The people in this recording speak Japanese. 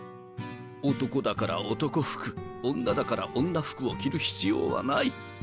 男だから男服女だから女服を着る必要はない。